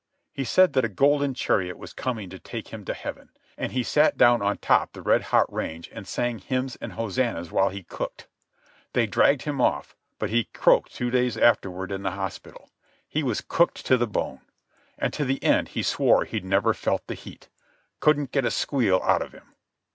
He said that a golden chariot was coming to take him to heaven, and he sat down on top the red hot range and sang hymns and hosannahs while he cooked. They dragged him off, but he croaked two days afterward in hospital. He was cooked to the bone. And to the end he swore he'd never felt the heat. Couldn't get a squeal out of him."